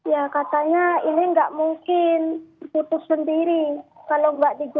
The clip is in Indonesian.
ya katanya ini nggak mungkin putus sendiri kalau nggak dijual